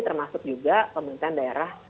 termasuk juga pemerintahan daerah